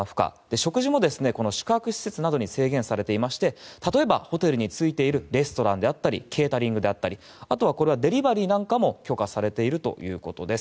食事も宿泊施設などに制限されていまして例えば、ホテルについているレストランであったりケータリングであったりデリバリーなんかも許可されているということです。